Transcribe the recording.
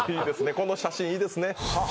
この写真いいですねははあ